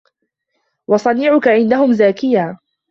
وَصَنِيعُك عِنْدَهُمْ زَاكِيًا